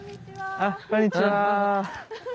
あっこんにちは。